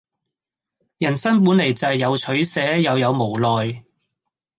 人生本來就是有取捨、也有無奈